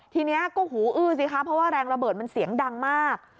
ทีนี้ก็หูอื้อสิคะเพราะว่าแรงระเบิดมันเสียงดังมาก